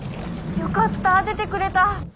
よかった！出てくれた！